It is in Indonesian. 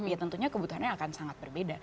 ya tentunya kebutuhannya akan sangat berbeda